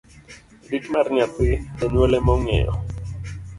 Lit mar nyathi, janyuol ema ong'eyo.